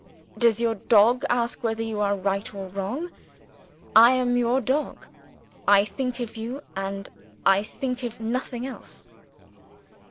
Does your dog ask whether you are right or wrong? I am your dog. I think of You, and I think of nothing else."